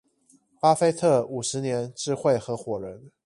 巴菲特五十年智慧合夥人